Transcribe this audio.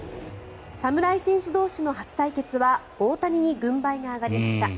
侍戦士同士の初対決は大谷に軍配が上がりました。